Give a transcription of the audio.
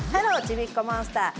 ちびっこモンスター」